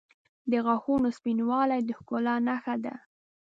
• د غاښونو سپینوالی د ښکلا نښه ده.